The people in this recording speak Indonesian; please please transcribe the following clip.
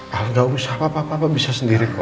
pak nggak usah papa bisa sendiri